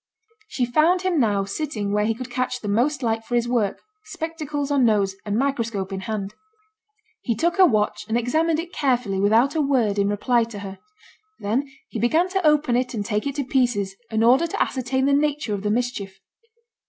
She found him now sitting where he could catch the most light for his work, spectacles on nose, and microscope in hand. He took her watch, and examined it carefully without a word in reply to her. Then he began to open it and take it to pieces, in order to ascertain the nature of the mischief.